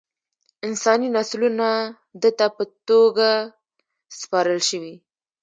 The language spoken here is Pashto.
انساني نسلونه ده ته په توګه سپارل شوي.